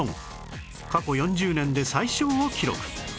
過去４０年で最少を記録